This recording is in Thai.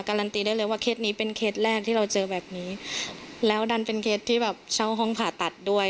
ันตีได้เลยว่าเคสนี้เป็นเคสแรกที่เราเจอแบบนี้แล้วดันเป็นเคสที่แบบเช่าห้องผ่าตัดด้วย